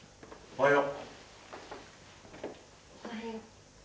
おはよう。